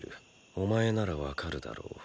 お前ならわかるだろう。